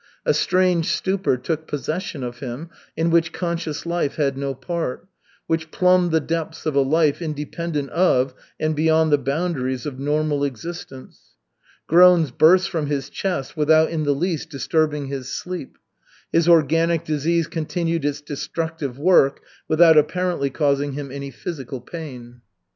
A strange stupor took possession of him, in which conscious life had no part, which plumbed the depths of a life independent of and beyond the boundaries of normal existence. Groans burst from his chest without in the least disturbing his sleep. His organic disease continued its destructive work, without apparently causing him any physical pain.